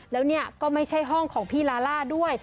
แล้วเนี่ยก็ไม่ใช่ห้องของพี่ลาล่าด้วย